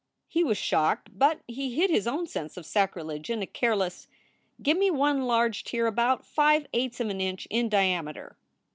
He was shocked, but he hid his own sense of sacrilege in a careless : "Give me one large tear about five eighths of an inch in diameter.